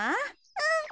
うん。